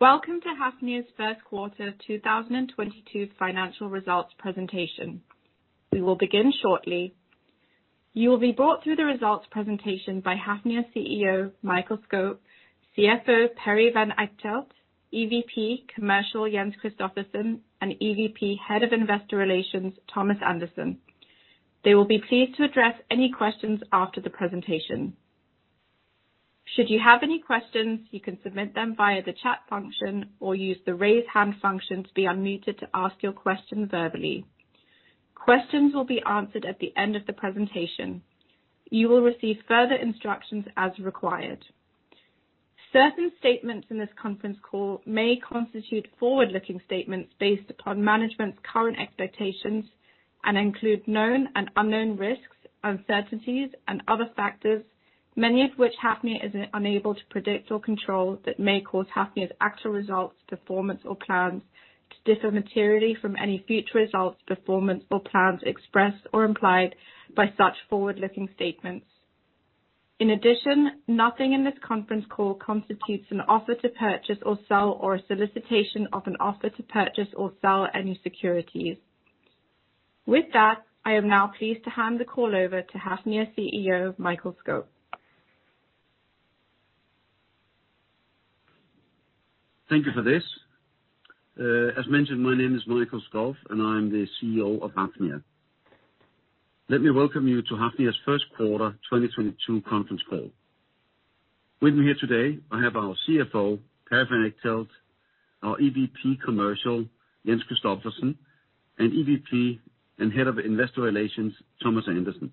Welcome to Hafnia's First Quarter 2022 Financial Results Presentation. We will begin shortly. You will be brought through the results presentation by Hafnia CEO Mikael Skov, CFO Perry van Echtelt, EVP Commercial Jens Christophersen, and EVP Head of Investor Relations Thomas Andersen. They will be pleased to address any questions after the presentation. Should you have any questions, you can submit them via the chat function or use the raise hand function to be unmuted to ask your question verbally. Questions will be answered at the end of the presentation. You will receive further instructions as required. Certain statements in this conference call may constitute forward-looking statements based upon management's current expectations and include known and unknown risks, uncertainties and other factors, many of which Hafnia is unable to predict or control, that may cause Hafnia's actual results, performance or plans to differ materially from any future results, performance or plans expressed or implied by such forward-looking statements. In addition, nothing in this conference call constitutes an offer to purchase or sell or a solicitation of an offer to purchase or sell any securities. With that, I am now pleased to hand the call over to Hafnia CEO Mikael Skov. Thank you for this. As mentioned, my name is Mikael Skov, and I'm the CEO of Hafnia. Let me welcome you to Hafnia's first quarter 2022 conference call. With me here today I have our CFO, Perry van Echtelt, our EVP Commercial, Jens Christophersen, and EVP and Head of Investor Relations, Thomas Andersen.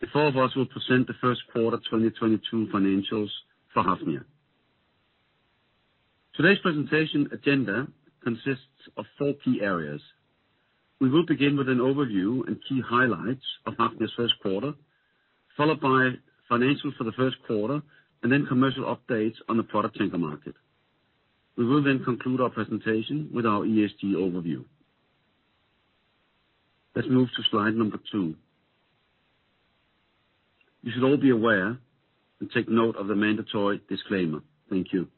The four of us will present the first quarter 2022 financials for Hafnia. Today's presentation agenda consists of four key areas. We will begin with an overview and key highlights of Hafnia's first quarter, followed by financials for the first quarter, and then commercial updates on the product tanker market. We will then conclude our presentation with our ESG overview. Let's move to slide number two. You should all be aware and take note of the mandatory disclaimer. Thank you.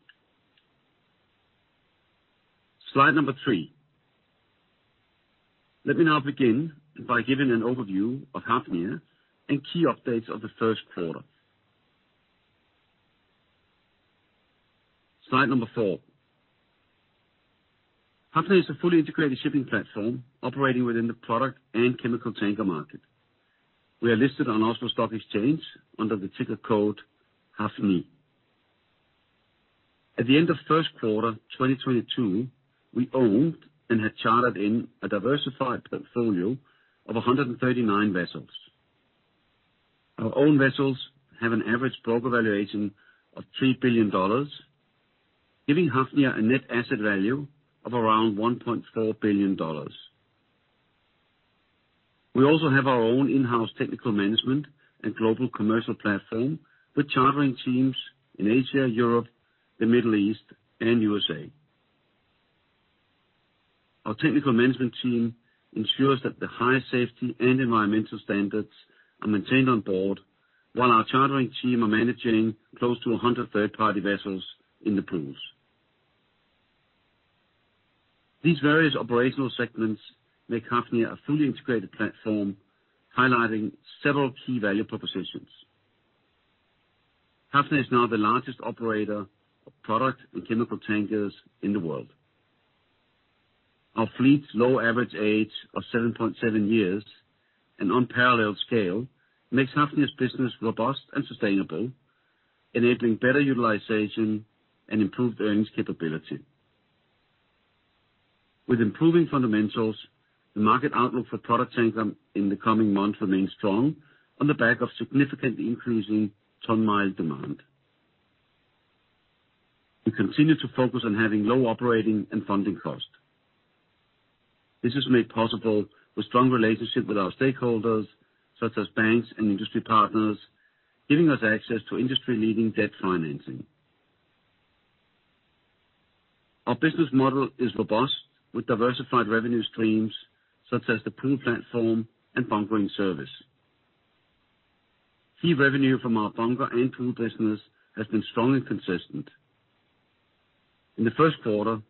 Slide number three. Let me now begin by giving an overview of Hafnia and key updates of the first quarter. Slide four. Hafnia is a fully integrated shipping platform operating within the product and chemical tanker market. We are listed on Oslo Stock Exchange under the ticker code HAFNI. At the end of first quarter 2022, we owned and had chartered in a diversified portfolio of 139 vessels. Our own vessels have an average broker valuation of $3 billion, giving Hafnia a net asset value of around $1.4 billion. We also have our own in-house technical management and global commercial platform, with chartering teams in Asia, Europe, the Middle East and USA. Our technical management team ensures that the highest safety and environmental standards are maintained on board, while our chartering team are managing close to 100 third-party vessels in the pools. These various operational segments make Hafnia a fully integrated platform, highlighting several key value propositions. Hafnia is now the largest operator of product and chemical tankers in the world. Our fleet's low average age of 7.7 years and unparalleled scale makes Hafnia's business robust and sustainable, enabling better utilization and improved earnings capability. With improving fundamentals, the market outlook for product tankers in the coming months remains strong on the back of significant increase in ton-mile demand. We continue to focus on having low operating and funding costs. This is made possible with strong relationship with our stakeholders, such as banks and industry partners, giving us access to industry-leading debt financing. Our business model is robust, with diversified revenue streams such as the pool platform and bunkering service. Key revenue from our bunkering and pool business has been strong and consistent. In the first quarter,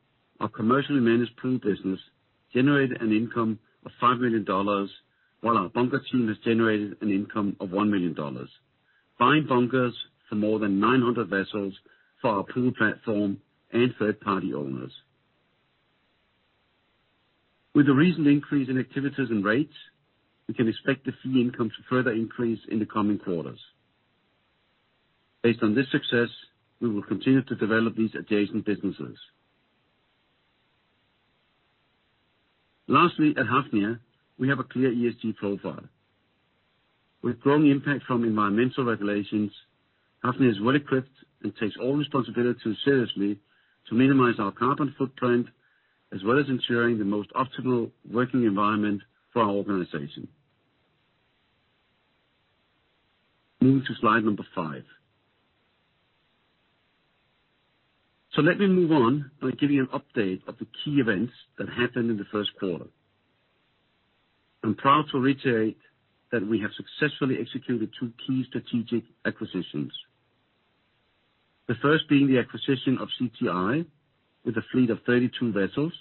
our commercially managed pool business generated an income of $5 million, while our bunker team has generated an income of $1 million, buying bunkers for more than 900 vessels for our pool platform and third-party owners. With the recent increase in activities and rates, we can expect the fee income to further increase in the coming quarters. Based on this success, we will continue to develop these adjacent businesses. Lastly, at Hafnia, we have a clear ESG profile. With growing impact from environmental regulations, Hafnia is well-equipped and takes all responsibilities seriously to minimize our carbon footprint, as well as ensuring the most optimal working environment for our organization. Moving to slide number five. Let me move on by giving an update of the key events that happened in the first quarter. I'm proud to reiterate that we have successfully executed two key strategic acquisitions. The first being the acquisition of CTI with a fleet of 32 vessels,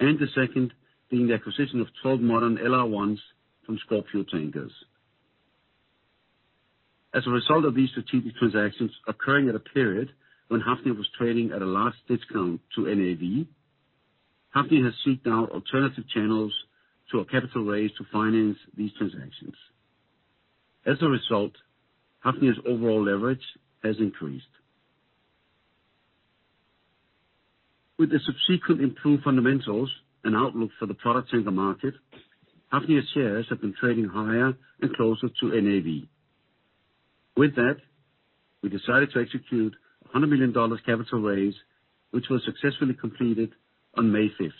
and the second being the acquisition of 12 modern LR1s from Scorpio Tankers. As a result of these strategic transactions occurring at a period when Hafnia was trading at a large discount to NAV, Hafnia has sought out alternative channels to a capital raise to finance these transactions. As a result, Hafnia's overall leverage has increased. With the subsequent improved fundamentals and outlook for the products in the market, Hafnia shares have been trading higher and closer to NAV. With that, we decided to execute a $100 million capital raise, which was successfully completed on May 5th.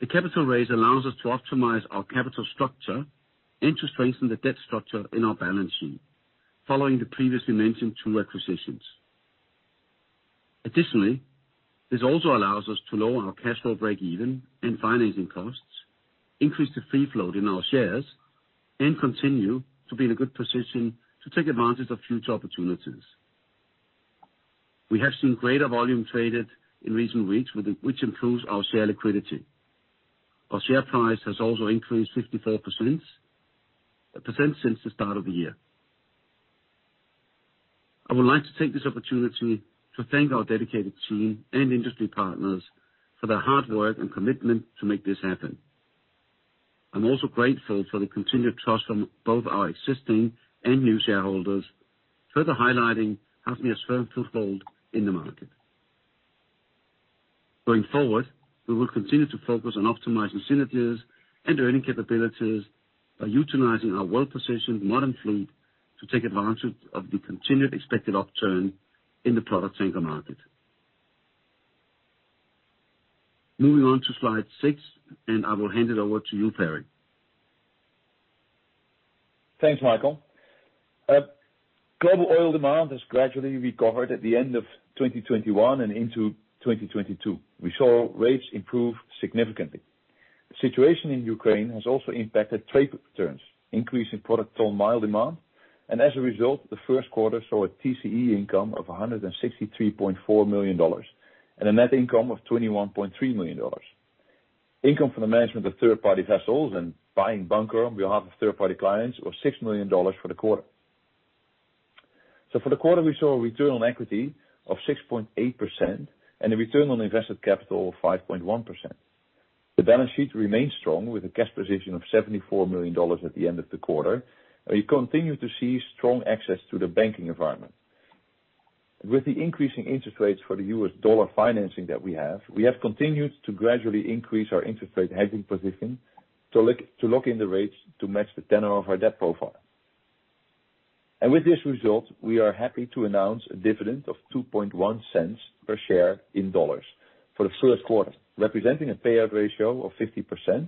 The capital raise allows us to optimize our capital structure and to strengthen the debt structure in our balance sheet following the previously mentioned two acquisitions. Additionally, this also allows us to lower our cash flow break even and financing costs, increase the free float in our shares, and continue to be in a good position to take advantage of future opportunities. We have seen greater volume traded in recent weeks, which improves our share liquidity. Our share price has also increased 54% since the start of the year. I would like to take this opportunity to thank our dedicated team and industry partners for their hard work and commitment to make this happen. I'm also grateful for the continued trust from both our existing and new shareholders, further highlighting Hafnia's firm foothold in the market. Going forward, we will continue to focus on optimizing synergies and earning capabilities by utilizing our well-positioned modern fleet to take advantage of the continued expected upturn in the product tanker market. Moving on to slide six, and I will hand it over to you, Perry. Thanks, Mikael. Global oil demand has gradually recovered at the end of 2021 and into 2022. We saw rates improve significantly. The situation in Ukraine has also impacted trade patterns, increasing product ton-mile demand. As a result, the first quarter saw a TCE income of $163.4 million and a net income of $21.3 million. Income from the management of third-party vessels and buying bunkers on behalf of third-party clients was $6 million for the quarter. For the quarter, we saw a return on equity of 6.8% and a return on invested capital of 5.1%. The balance sheet remains strong with a cash position of $74 million at the end of the quarter. We continue to see strong access to the banking environment. With the increasing interest rates for the US dollar financing that we have, we have continued to gradually increase our interest rate hedging position to lock in the rates to match the tenor of our debt profile. With this result, we are happy to announce a dividend of $0.021 per share for the first quarter, representing a payout ratio of 50%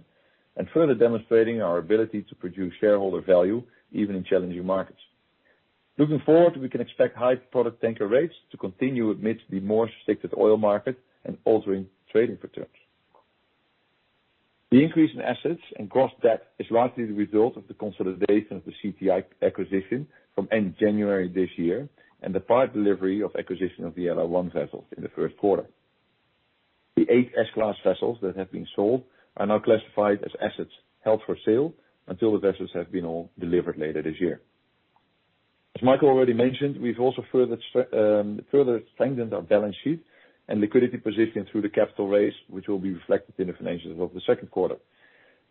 and further demonstrating our ability to produce shareholder value even in challenging markets. Looking forward, we can expect high product tanker rates to continue amidst the more restricted oil market and altering trading patterns. The increase in assets and gross debt is largely the result of the consolidation of the CTI acquisition from end January this year and the partial delivery of acquisition of the LR1 vessels in the first quarter. The 8 S-class vessels that have been sold are now classified as assets held for sale until the vessels have been all delivered later this year. As Mikael already mentioned, we've also further strengthened our balance sheet and liquidity position through the capital raise, which will be reflected in the financials of the second quarter.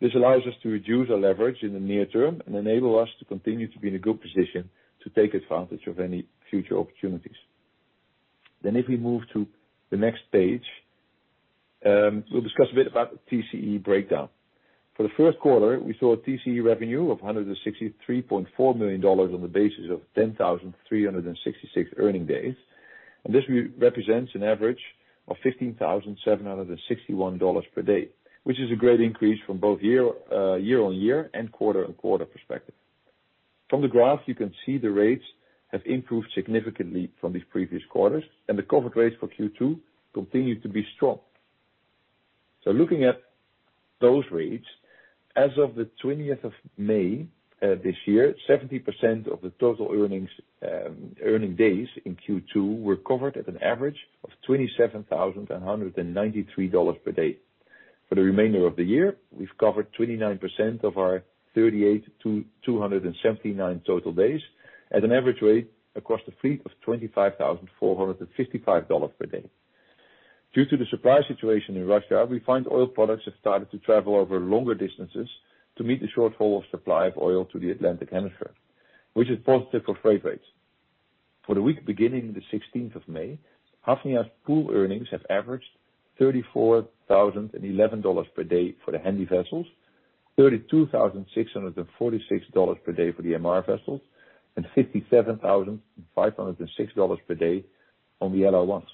This allows us to reduce our leverage in the near term and enable us to continue to be in a good position to take advantage of any future opportunities. If we move to the next page, we'll discuss a bit about the TCE breakdown. For the first quarter, we saw a TCE revenue of $163.4 million on the basis of 10,366 earning days. This represents an average of $15,761 per day, which is a great increase from both year-on-year and quarter-on-quarter perspective. From the graph you can see the rates have improved significantly from the previous quarters and the covered rates for Q2 continue to be strong. Looking at those rates, as of the 20th of May this year, 70% of the total earnings earning days in Q2 were covered at an average of $27,193 per day. For the remainder of the year, we've covered 29% of our 38 to 279 total days at an average rate across the fleet of $25,455 per day. Due to the supply situation in Russia, we find oil products have started to travel over longer distances to meet the shortfall of supply of oil to the Atlantic hemisphere, which is positive for freight rates. For the week beginning the 16th of May, Hafnia's pool earnings have averaged $34,011 per day for the Handy vessels, $32,646 per day for the MR vessels, and $57,506 per day on the LR1s.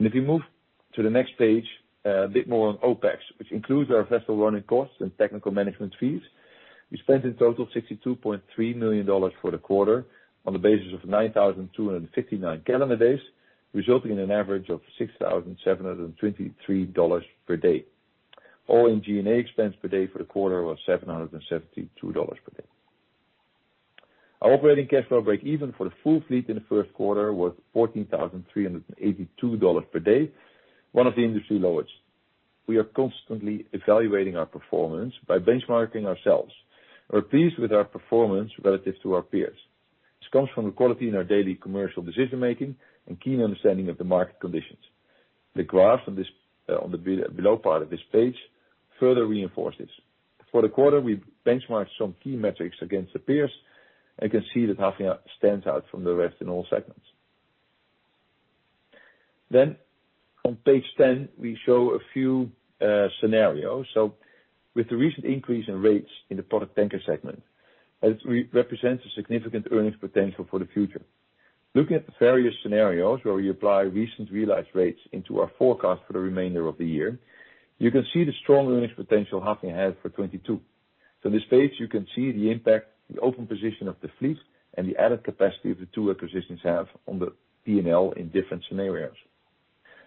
If we move to the next page, a bit more on OpEx, which includes our vessel running costs and technical management fees. We spent in total $62.3 million for the quarter on the basis of 9,259 calendar days, resulting in an average of $6,723 per day. All in G&A expense per day for the quarter was $772 per day. Our operating cash flow break even for the full fleet in the first quarter was $14,382 per day, one of the industry lowest. We are constantly evaluating our performance by benchmarking ourselves. We're pleased with our performance relative to our peers. This comes from the quality in our daily commercial decision making and keen understanding of the market conditions. The graph on this, on the below part of this page further reinforce this. For the quarter, we benchmarked some key metrics against the peers and can see that Hafnia stands out from the rest in all segments. On page ten, we show a few scenarios. With the recent increase in rates in the product tanker segment, represents a significant earnings potential for the future. Looking at the various scenarios where we apply recent realized rates into our forecast for the remainder of the year, you can see the strong earnings potential Hafnia has for 2022. This page, you can see the impact, the open position of the fleet, and the added capacity of the two acquisitions have on the P&L in different scenarios.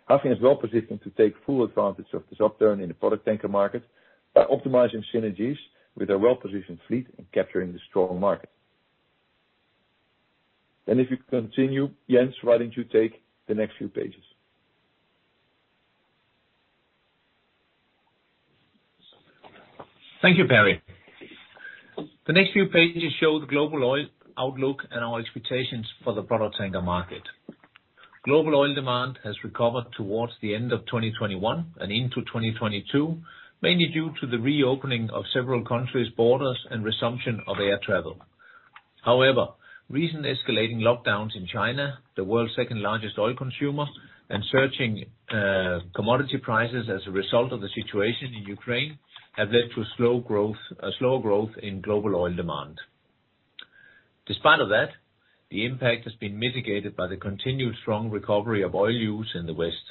Hafnia is well-positioned to take full advantage of this upturn in the product tanker market by optimizing synergies with a well-positioned fleet and capturing the strong market. If you continue, Jens, why don't you take the next few pages? Thank you, Perry. The next few pages show the global oil outlook and our expectations for the product tanker market. Global oil demand has recovered towards the end of 2021 and into 2022, mainly due to the reopening of several countries' borders and resumption of air travel. However, recent escalating lockdowns in China, the world's second largest oil consumer, and surging commodity prices as a result of the situation in Ukraine, have led to slow growth, a slower growth in global oil demand. Despite of that, the impact has been mitigated by the continued strong recovery of oil use in the West.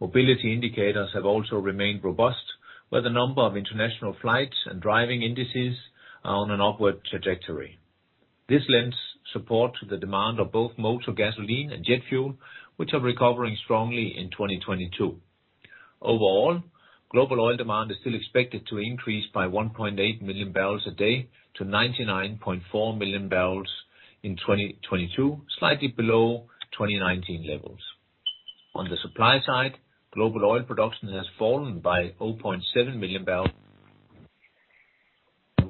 Mobility indicators have also remained robust, where the number of international flights and driving indices are on an upward trajectory. This lends support to the demand of both motor gasoline and jet fuel, which are recovering strongly in 2022. Overall, global oil demand is still expected to increase by 1.8 million barrels a day to 99.4 million barrels in 2022, slightly below 2019 levels. On the supply side, global oil production has fallen by 0.7 million barrels,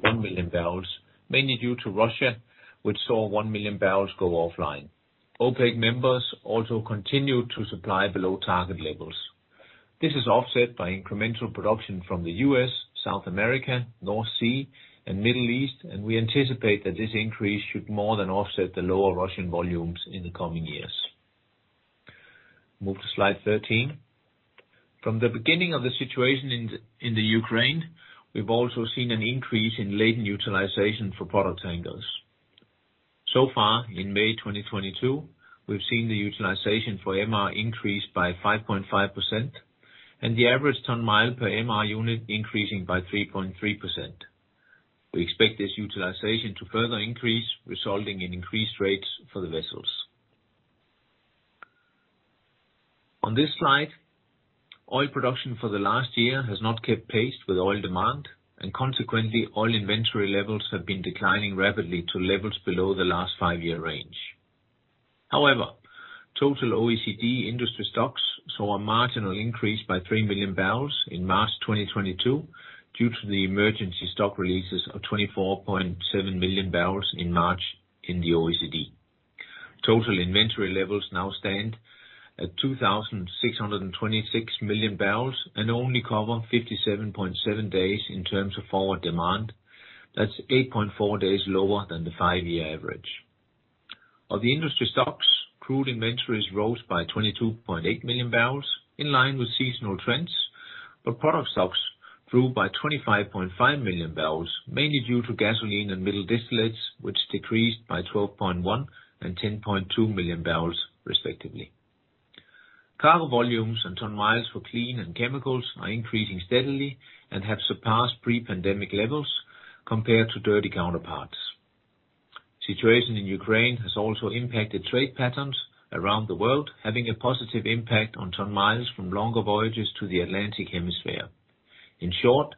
1 million barrels, mainly due to Russia, which saw 1 million barrels go offline. OPEC members also continued to supply below target levels. This is offset by incremental production from the U.S., South America, North Sea, and Middle East, and we anticipate that this increase should more than offset the lower Russian volumes in the coming years. Move to slide 13. From the beginning of the situation in the Ukraine, we've also seen an increase in laden utilization for product tankers. So far, in May 2022, we've seen the utilization for MR increase by 5.5%, and the average ton-mile per MR unit increasing by 3.3%. We expect this utilization to further increase, resulting in increased rates for the vessels. On this slide, oil production for the last year has not kept pace with oil demand, and consequently, oil inventory levels have been declining rapidly to levels below the last 5-year range. However, total OECD industry stocks saw a marginal increase by 3 million barrels in March 2022 due to the emergency stock releases of 24.7 million barrels in March in the OECD. Total inventory levels now stand at 2,626 million barrels and only cover 57.7 days in terms of forward demand. That's 8.4 days lower than the five-year average. Of the industry stocks, crude inventories rose by 22.8 million barrels in line with seasonal trends, but product stocks grew by 25.5 million barrels, mainly due to gasoline and middle distillates, which decreased by 12.1 and 10.2 million barrels respectively. Cargo volumes and ton-miles for clean and chemicals are increasing steadily and have surpassed pre-pandemic levels compared to dirty counterparts. Situation in Ukraine has also impacted trade patterns around the world, having a positive impact on ton-miles from longer voyages to the Atlantic Hemisphere. In short,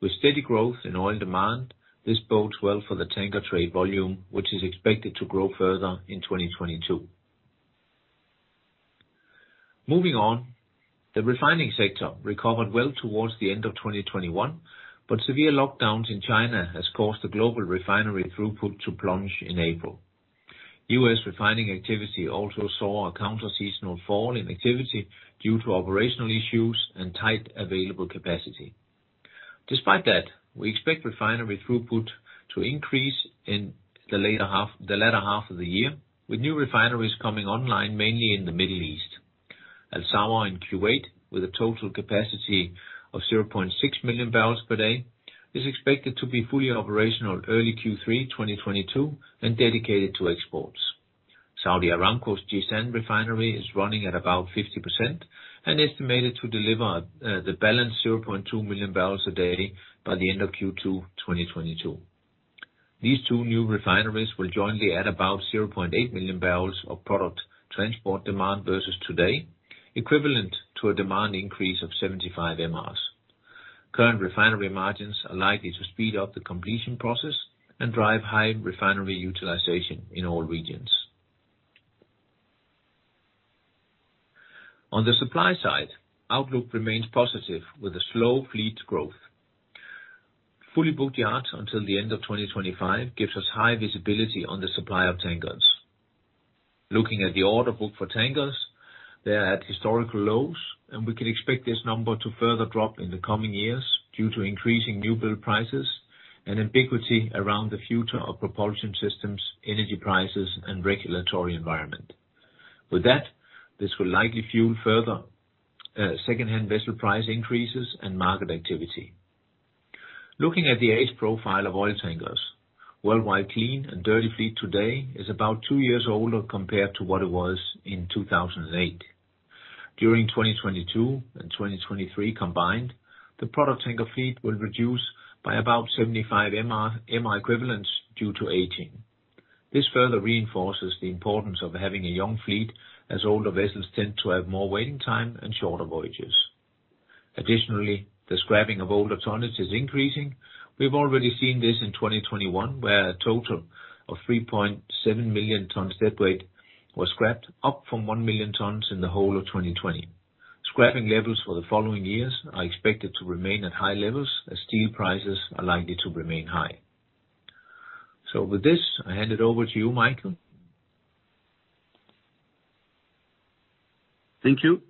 with steady growth in oil demand, this bodes well for the tanker trade volume, which is expected to grow further in 2022. Moving on. The refining sector recovered well towards the end of 2021, but severe lockdowns in China has caused the global refinery throughput to plunge in April. US refining activity also saw a counter seasonal fall in activity due to operational issues and tight available capacity. Despite that, we expect refinery throughput to increase in the latter half of the year, with new refineries coming online mainly in the Middle East. Al Zour in Kuwait, with a total capacity of 0.6 million barrels per day, is expected to be fully operational early Q3 2022 and dedicated to exports. Saudi Aramco's Jazan Refinery is running at about 50% and estimated to deliver the balance 0.2 million barrels a day by the end of Q2 2022. These two new refineries will jointly add about 0.8 million barrels of product transport demand versus today, equivalent to a demand increase of 75 MRs. Current refinery margins are likely to speed up the completion process and drive high refinery utilization in all regions. On the supply side, outlook remains positive with a slow fleet growth. Fully booked yards until the end of 2025 gives us high visibility on the supply of tankers. Looking at the order book for tankers, they are at historical lows, and we can expect this number to further drop in the coming years due to increasing new build prices and ambiguity around the future of propulsion systems, energy prices, and regulatory environment. With that, this will likely fuel further second-hand vessel price increases and market activity. Looking at the age profile of oil tankers, worldwide clean and dirty fleet today is about two years older compared to what it was in 2008. During 2022 and 2023 combined, the product tanker fleet will reduce by about 75 MR equivalents due to aging. This further reinforces the importance of having a young fleet, as older vessels tend to have more waiting time and shorter voyages. Additionally, the scrapping of older tonnage is increasing. We've already seen this in 2021, where a total of 3.7 million tons deadweight was scrapped, up from 1 million tons in the whole of 2020. Scrapping levels for the following years are expected to remain at high levels as steel prices are likely to remain high. With this, I hand it over to you, Mikael. Thank you.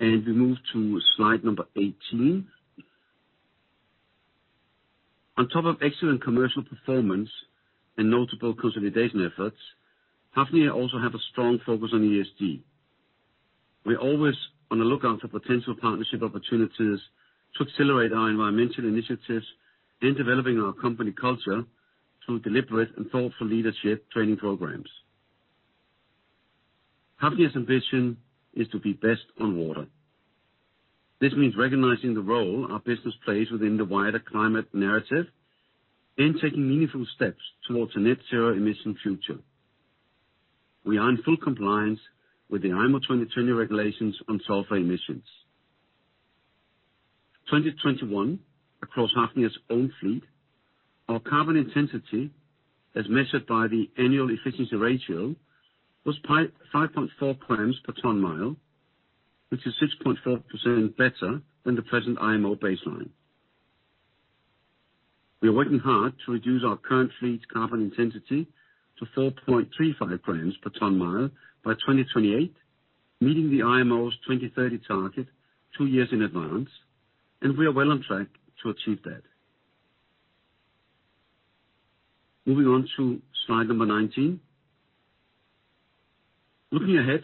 We move to slide number 18. On top of excellent commercial performance and notable consolidation efforts, Hafnia also have a strong focus on ESG. We're always on the lookout for potential partnership opportunities to accelerate our environmental initiatives in developing our company culture through deliberate and thoughtful leadership training programs. Hafnia's ambition is to be best on water. This means recognizing the role our business plays within the wider climate narrative and taking meaningful steps towards a net-zero emissions future. We are in full compliance with the IMO 2020 regulations on sulfur emissions. 2021, across Hafnia's own fleet, our carbon intensity, as measured by the annual efficiency ratio, was 5.54 grams per ton-mile, which is 6.4% better than the present IMO baseline. We are working hard to reduce our current fleet's carbon intensity to 4.35 grams per ton-mile by 2028, meeting the IMO's 2030 target two years in advance, and we are well on track to achieve that. Moving on to slide number 19. Looking ahead,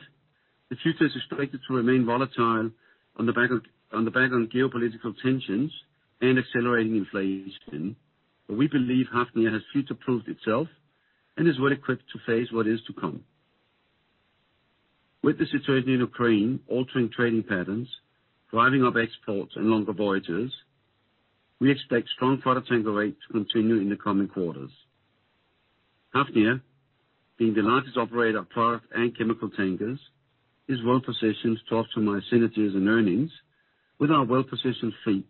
the future is expected to remain volatile on the back of geopolitical tensions and accelerating inflation, but we believe Hafnia has future-proofed itself and is well equipped to face what is to come. With the situation in Ukraine altering trading patterns, driving up exports and longer voyages, we expect strong product tanker rates to continue in the coming quarters. Hafnia, being the largest operator of product and chemical tankers, is well positioned to optimize synergies and earnings with our well-positioned fleet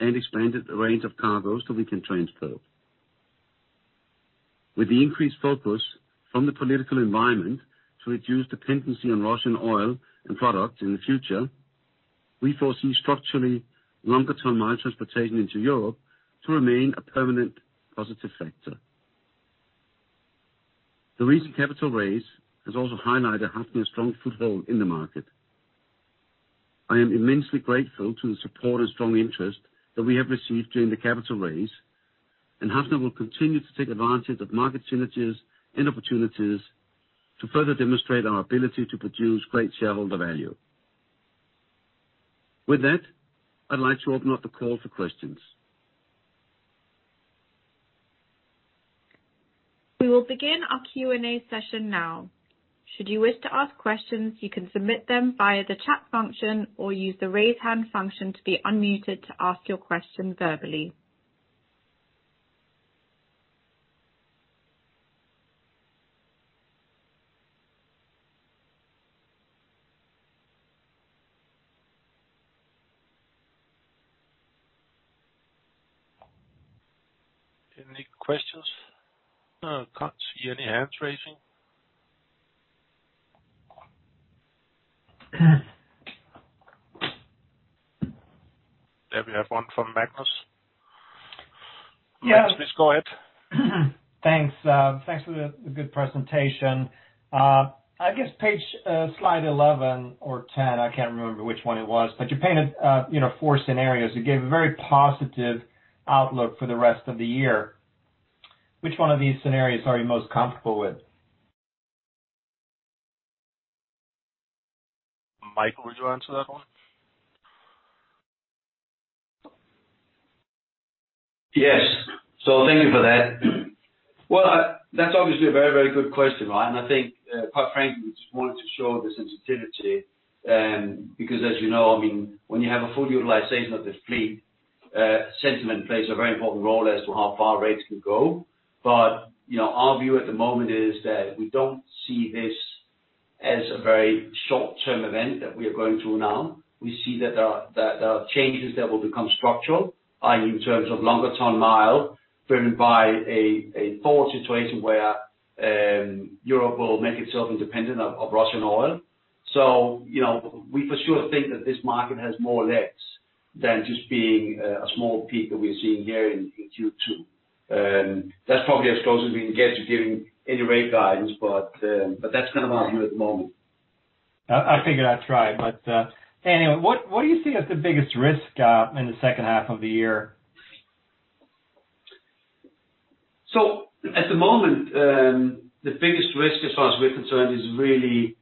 and expanded range of cargoes that we can transfer. With the increased focus from the political environment to reduce dependency on Russian oil and products in the future, we foresee structurally longer-term oil transportation into Europe to remain a permanent positive factor. The recent capital raise has also highlighted Hafnia's strong foothold in the market. I am immensely grateful to the support and strong interest that we have received during the capital raise, and Hafnia will continue to take advantage of market synergies and opportunities to further demonstrate our ability to produce great shareholder value. With that, I'd like to open up the call for questions. We will begin our Q&A session now. Should you wish to ask questions, you can submit them via the chat function or use the raise hand function to be unmuted to ask your question verbally. Any questions? No, can't see any hands raising. There we have one from Magnus. Yeah. Magnus, please go ahead. Thanks for the good presentation. I guess page, slide 11 or 10, I can't remember which one it was, but you painted, you know, four scenarios. You gave a very positive outlook for the rest of the year. Which one of these scenarios are you most comfortable with? Mikael, would you answer that one? Yes. Thank you for that. Well, that's obviously a very, very good question, Ryan. I think, quite frankly, we just wanted to show the sensitivity, because as you know, I mean, when you have a full utilization of this fleet, sentiment plays a very important role as to how far rates can go. You know, our view at the moment is that we don't see this as a very short-term event that we are going through now. We see that there are changes that will become structural, i.e., in terms of longer ton-mile driven by a forward situation where Europe will make itself independent of Russian oil. You know, we for sure think that this market has more legs than just being a small peak that we're seeing here in Q2. That's probably as close as we can get to giving any rate guidance. That's kind of our view at the moment. I figured I'd try. Anyway, what do you see as the biggest risk in the second half of the year? At the moment, the biggest risk as far as we're concerned is really,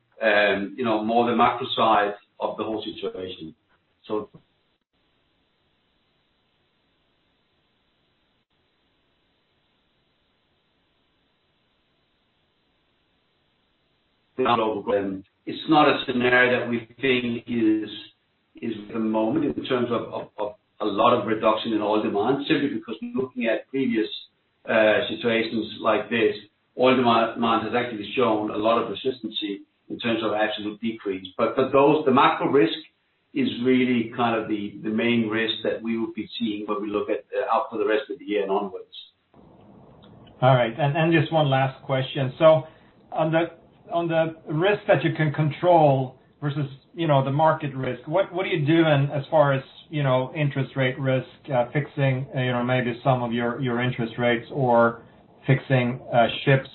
you know, more the macro side of the whole situation. It's not a scenario that we think is imminent in terms of a lot of reduction in oil demand, simply because looking at previous situations like this, oil demand has actually shown a lot of resiliency in terms of absolute decrease. However, the macro risk is really kind of the main risk that we would be seeing when we look out for the rest of the year and onward. All right. Just one last question. On the risk that you can control versus, you know, the market risk, what are you doing as far as, you know, interest rate risk, fixing, you know, maybe some of your interest rates or fixing ships,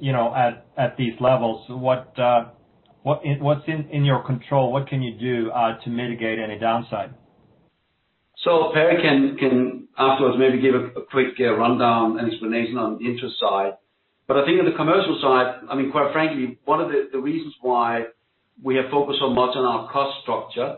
you know, at these levels? What's in your control? What can you do to mitigate any downside? Perry can afterwards maybe give a quick rundown and explanation on the interest side. I think on the commercial side, I mean, quite frankly, one of the reasons why we have focused so much on our cost structure,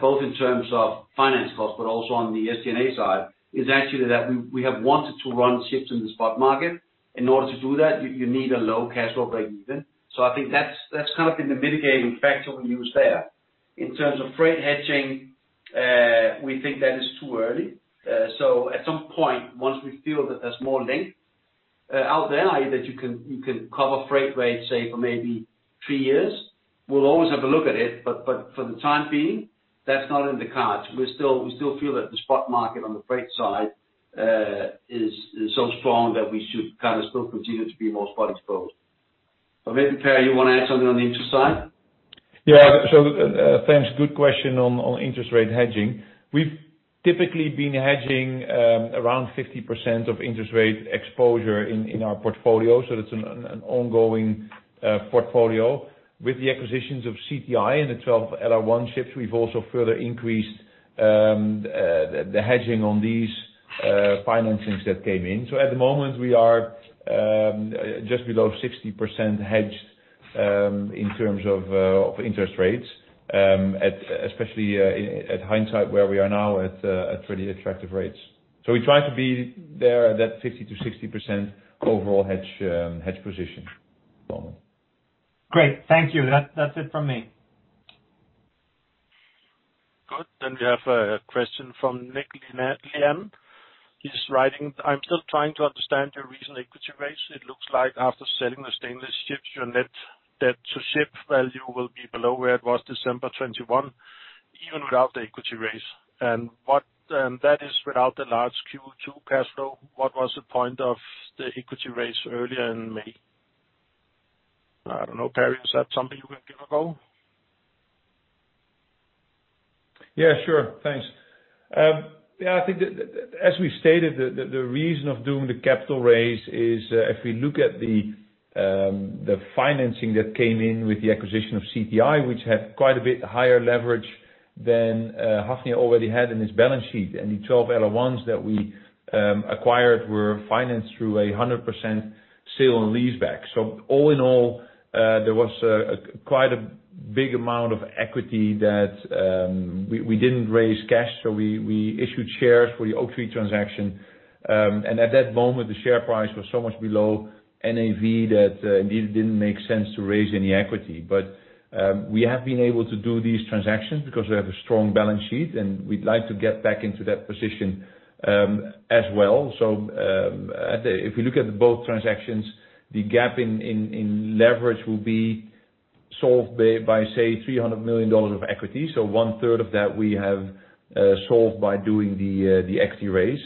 both in terms of finance cost but also on the SG&A side, is actually that we have wanted to run ships in the spot market. In order to do that, you need a low cash or breakeven. I think that's kind of been the mitigating factor we use there. In terms of freight hedging, we think that is too early. At some point, once we feel that there's more length out there, i.e., that you can cover freight rates, say, for maybe three years, we'll always have a look at it, but for the time being, that's not in the cards. We still feel that the spot market on the freight side is so strong that we should kind of still continue to be more spot exposed. Maybe Perry, you wanna add something on the interest side? Yeah. Thanks. Good question on interest rate hedging. We've typically been hedging around 50% of interest rate exposure in our portfolio, so that's an ongoing portfolio. With the acquisitions of CTI and the 12 LR1 ships, we've also further increased the hedging on these financings that came in. At the moment we are just below 60% hedged in terms of interest rates, especially in hindsight where we are now at pretty attractive rates. We try to be there at that 50%-60% overall hedge position at the moment. Great. Thank you. That, that's it from me. Good. We have a question from Nick Gina-- Liam. He's writing: I'm still trying to understand your recent equity raise. It looks like after selling the stainless ships, your net debt to ship value will be below where it was December 2021, even without the equity raise. What, that is without the large Q2 cash flow. What was the point of the equity raise earlier in May? I don't know, Perry, is that something you can give a go? Yeah, sure. Thanks. Yeah, I think that as we stated, the reason of doing the capital raise is, if we look at the financing that came in with the acquisition of CTI, which had quite a bit higher leverage than Hafnia already had in its balance sheet, and the 12 LR1s that we acquired were financed through a 100% sale-and-leaseback. All in all, there was quite a big amount of equity that we didn't raise cash, so we issued shares for the Oaktree transaction. At that moment, the share price was so much below NAV that indeed it didn't make sense to raise any equity. We have been able to do these transactions because we have a strong balance sheet, and we'd like to get back into that position as well. If we look at both transactions, the gap in leverage will be solved by say $300 million of equity. One-third of that we have solved by doing the equity raise.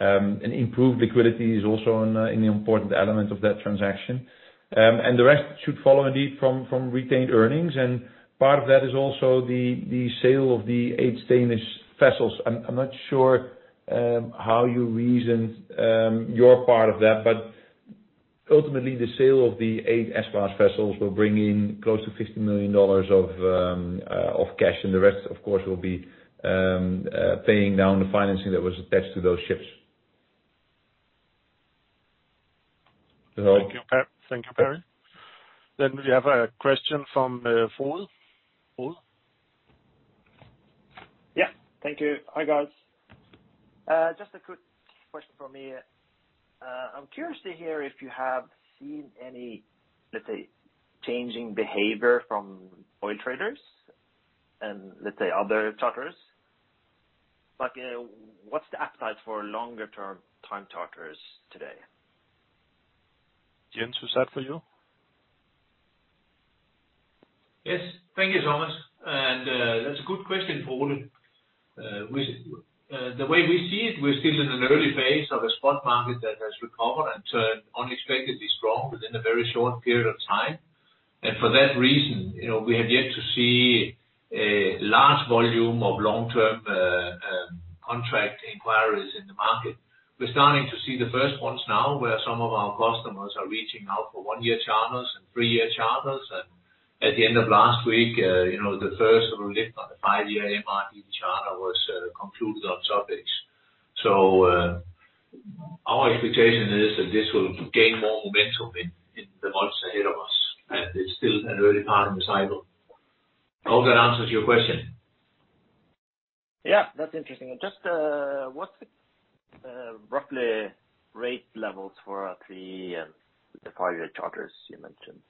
Improved liquidity is also an important element of that transaction. The rest should follow indeed from retained earnings, and part of that is also the sale of the eight stainless vessels. I'm not sure how you reasoned your part of that, but ultimately the sale of the 8 S-class vessels will bring in close to $50 million of cash, and the rest, of course, will be paying down the financing that was attached to those ships. Thank you, Perry. We have a question from Paul. Paul? Yeah. Thank you. Hi, guys. Just a quick question from me. I'm curious to hear if you have seen any, let's say, changing behavior from oil traders and, let's say, other charterers. Like, what's the appetite for longer term time charterers today? Jens, was that for you? Yes. Thank you, Thomas. That's a good question, Paul. The way we see it, we're still in an early phase of a spot market that has recovered and turned unexpectedly strong within a very short period of time. For that reason, you know, we have yet to see a large volume of long-term contract inquiries in the market. We're starting to see the first ones now, where some of our customers are reaching out for one-year charters and three-year charters. At the end of last week, you know, the first of lift on the five-year MR charter was concluded on subjects. Our expectation is that this will gain more momentum in the months ahead of us, and it's still an early part in the cycle. I hope that answers your question. Yeah. That's interesting. Just, what's the rough rate levels for the five-year charters you mentioned?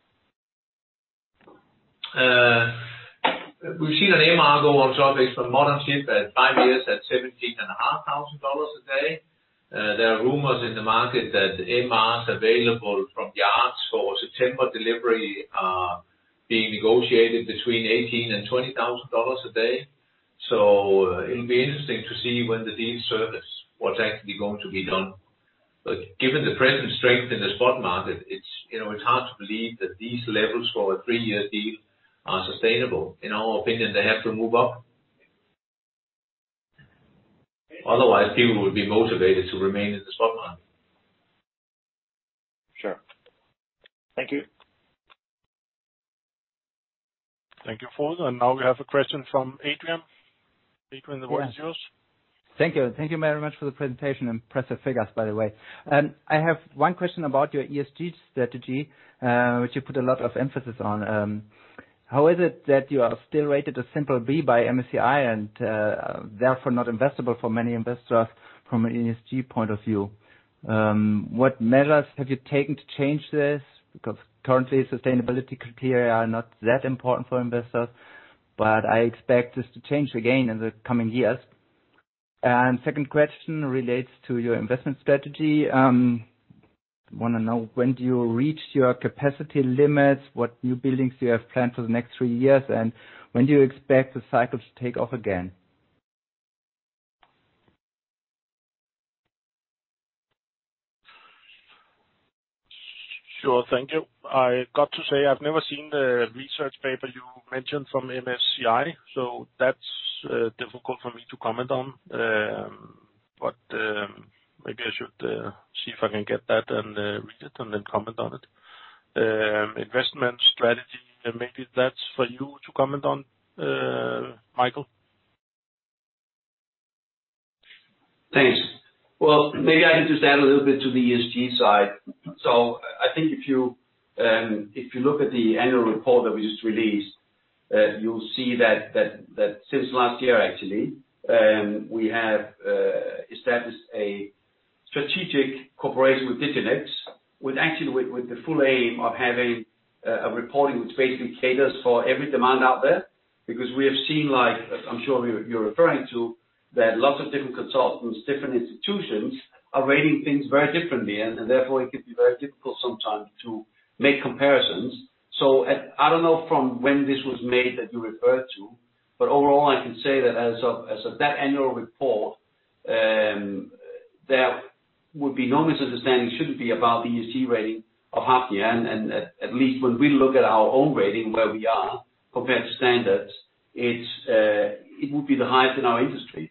We've seen an MR go on charter for a modern ship at five years at $17,500 a day. There are rumors in the market that MRs available from yards for September delivery are being negotiated between $18,000 and $20,000 a day. It'll be interesting to see when the deal is closed what's actually going to be done. Given the present strength in the spot market, it's, you know, it's hard to believe that these levels for a three-year deal are sustainable. In our opinion, they have to move up. Otherwise, people will be motivated to remain in the spot market. Sure. Thank you. Thank you, Paul. Now we have a question from Adrian. Adrian, the floor is yours. Thank you. Thank you very much for the presentation. Impressive figures, by the way. I have one question about your ESG strategy, which you put a lot of emphasis on. How is it that you are still rated a simple B by MSCI, and, therefore not investable for many investors from an ESG point of view? What measures have you taken to change this? Because currently, sustainability criteria are not that important for investors, but I expect this to change again in the coming years. Second question relates to your investment strategy. Wanna know when do you reach your capacity limits, what new buildings do you have planned for the next three years, and when do you expect the cycle to take off again? Sure. Thank you. I got to say, I've never seen the research paper you mentioned from MSCI, so that's difficult for me to comment on. Maybe I should see if I can get that and read it and then comment on it. Investment strategy, maybe that's for you to comment on, Mikael. Thanks. Well, maybe I can just add a little bit to the ESG side. I think if you look at the annual report that we just released, you'll see that since last year actually, we have established a strategic cooperation with DNV, actually with the full aim of having a reporting which basically caters for every demand out there. Because we have seen, like, as I'm sure you're referring to, that lots of different consultants, different institutions are rating things very differently. Therefore, it can be very difficult sometimes to make comparisons. I don't know from when this was made that you referred to, but overall, I can say that as of that annual report, there would be no misunderstanding. Shouldn't be about the ESG rating of Hafnia. At least when we look at our own rating where we are compared to standards, it's it would be the highest in our industry.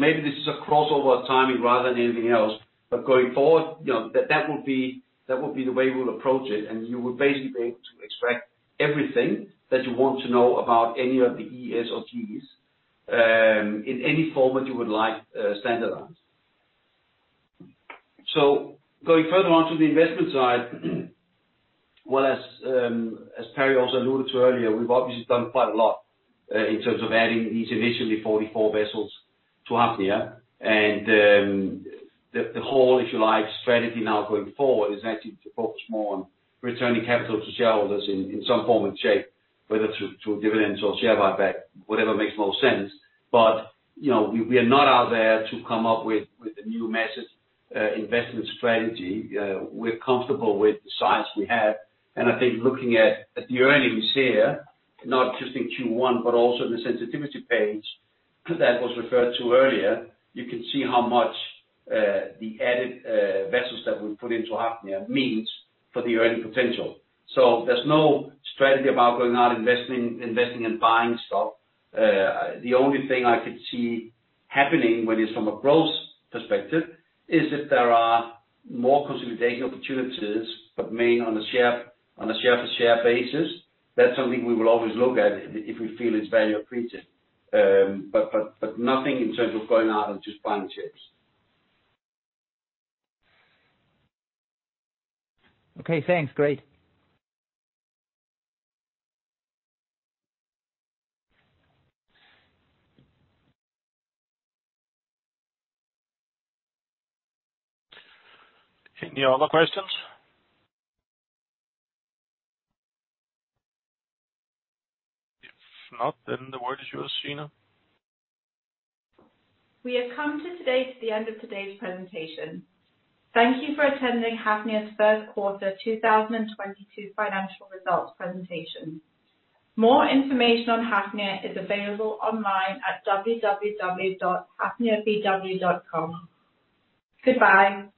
Maybe this is a crossover timing rather than anything else. Going forward, you know, that would be the way we'll approach it, and you would basically be able to extract everything that you want to know about any of the ES or GS, in any format you would like, standardized. Going further on to the investment side, well, as Per also alluded to earlier, we've obviously done quite a lot, in terms of adding these initially 44 vessels to Hafnia. The whole, if you like, strategy now going forward is actually to focus more on returning capital to shareholders in some form and shape, whether through dividends or share buyback, whatever makes most sense. You know, we are not out there to come up with a new massive investment strategy. We're comfortable with the size we have. I think looking at the earnings here, not just in Q1, but also the sensitivity page that was referred to earlier, you can see how much the added vessels that we've put into Hafnia means for the earning potential. There's no strategy about going out investing and buying stuff. The only thing I could see happening when it's from a growth perspective is if there are more consolidation opportunities, mainly on a share-to-share basis. That's something we will always look at if we feel it's value accretive. Nothing in terms of going out and just buying ships. Okay. Thanks. Great. Any other questions? If not, then the word is yours, Gina. We have come to the end of today's presentation. Thank you for attending Hafnia's third quarter 2022 financial results presentation. More information on Hafnia is available online at www.hafnia.com. Goodbye.